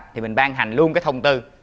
thì mình ban hành luôn cái thông tư